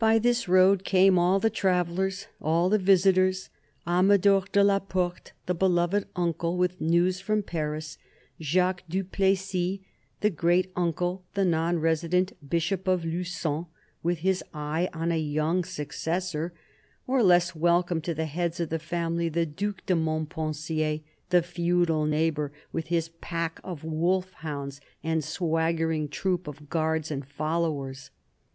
By 14 CARDINAL DE RICHELIEU this road came all the travellers, all the visitors: Amador de la Porte, the beloved uncle, with news from Paris; Jacques du Plessis, the great uncle, the non resident Bishop of Lugon, with his eye on a young successor; or, less welcome to the heads of the family, the Due de Montpen sier, the feudal neighbour, with his pack of wolf hounds and swaggering troop of guards and followers.